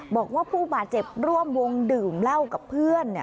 บอกว่าผู้บาดเจ็บร่วมวงดื่มเหล้ากับเพื่อน